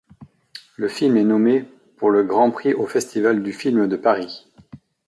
Le film est nommé pour le Grand prix au Festival du film de Paris.